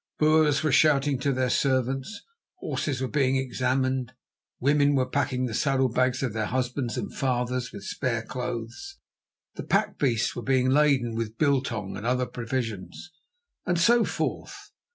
Boers were shouting to their servants, horses were being examined, women were packing the saddle bags of their husbands and fathers with spare clothes, the pack beasts were being laden with biltong and other provisions, and so forth.